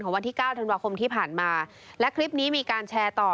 วันที่เก้าธันวาคมที่ผ่านมาและคลิปนี้มีการแชร์ต่อ